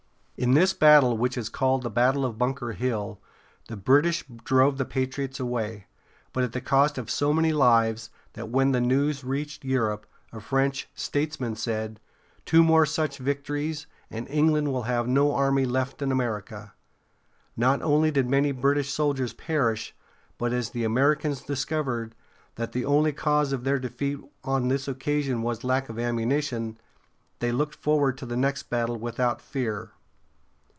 ] In this battle, which is called the "battle of Bunker Hill," the British drove the patriots away, but at the cost of so many lives that when the news reached Europe a French statesman said: "Two more such victories, and England will have no army left in America." Not only did many British soldiers perish, but as the Americans discovered that the only cause of their defeat on this occasion was lack of ammunition, they looked forward to the next battle without fear.